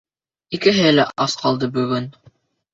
— Икеһе лә ас ҡалды бөгөн.